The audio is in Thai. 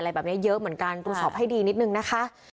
แบบนี้เยอะเหมือนกันตรวจสอบให้ดีนิดนึงนะคะ